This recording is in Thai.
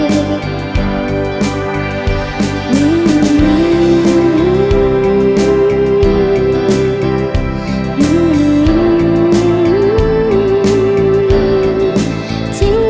ถึงไว้เพียงอัดอีกที่ไม่เคยหวนมา